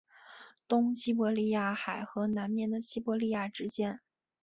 东西伯利亚海和南面的西伯利亚之间。